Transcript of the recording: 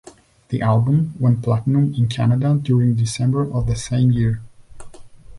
The album went platinum in Canada during December of the same year.